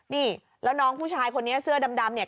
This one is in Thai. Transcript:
นี่แล้วน้องผู้ชายคนนี้เสื้อดำเนี่ย